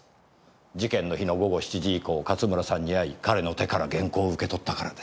事件の日の午後７時以降勝村さんに会い彼の手から原稿を受け取ったからです。